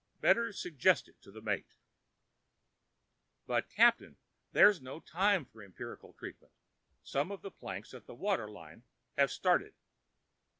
Better suggest it to the mate." "But, Captain, there is no time for empirical treatment; some of the planks at the water line have started."